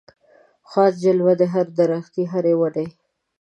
خاص جلوه د هري درختي هري وني